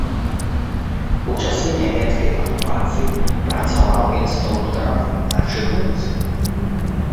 У часы нямецкай акупацыі працаваў інструктарам на чыгунцы.